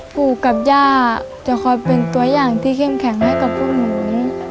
ปู่กับย่าจะคอยเป็นตัวอย่างที่เข้มแข็งให้กับพวกหนู